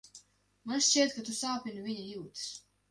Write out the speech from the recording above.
Man šķiet, ka tu sāpini viņa jūtas.